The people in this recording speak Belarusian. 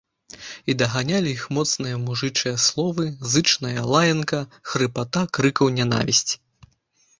І даганялі іх моцныя мужычыя словы, зычная лаянка, хрыпата крыкаў нянавісці.